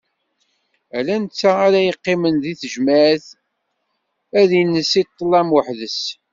Ala netta ara yeqqimen deg tejmeɛt, ad ines i ṭlam weḥd-s.